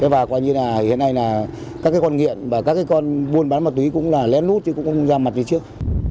và hiện nay các con nghiện và các con buôn bán ma túy cũng là lén lút chứ cũng không ra mặt như trước